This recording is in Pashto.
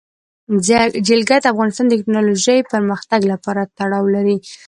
جلګه د افغانستان د تکنالوژۍ پرمختګ سره تړاو لري.